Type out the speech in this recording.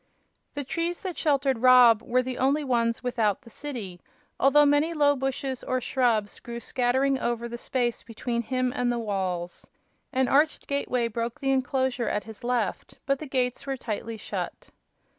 The trees that sheltered Rob were the only ones without the city, although many low bushes or shrubs grew scattering over the space between him and the walls. An arched gateway broke the enclosure at his left, but the gates were tightly shut.